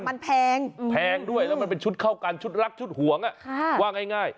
มันแพงด้วยแล้วมันเป็นชุดเหล่านักชุดห่วง